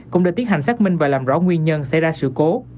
cũng đã tiến hành xác minh và làm rõ nguyên nhân xảy ra sự cố